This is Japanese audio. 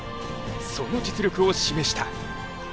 その実力を示した。